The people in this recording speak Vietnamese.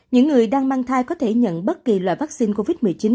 những người đang mang thai có thể nhận bất kỳ loại vaccine covid một mươi chín